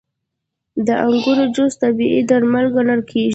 • د انګورو جوس طبیعي درمل ګڼل کېږي.